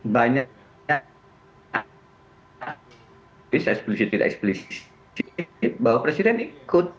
banyak yang tidak eksplisit bahwa presiden ikut terlibat